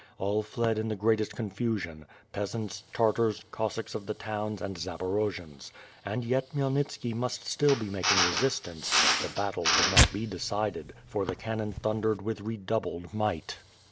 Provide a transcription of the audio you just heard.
All fled in the greatest confusion; peas ants, Tartars, Cossacks of the towns, and Zaporojians. And yet Khmyelnitski must still be making resistance; the battle could not b(» decided, for the cannon thundered with re doubled might.